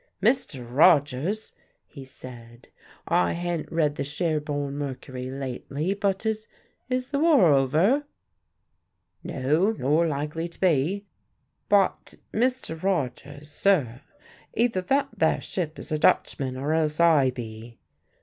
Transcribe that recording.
"Mr. Rogers," he said, "I han't read the Sherborne Mercury lately, but is is the war over?" "No, nor likely to be." "But, Mr. Rogers, sir, either that there ship is a Dutchman or else I be."